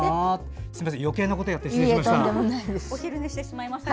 すみません、余計なことをやってしまいました。